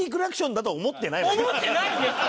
思ってないんですか！？